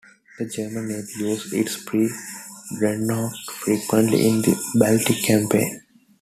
The German navy used its pre-dreadnoughts frequently in the Baltic campaign.